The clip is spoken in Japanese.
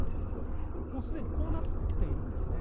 もうすでにこうなっているんですね。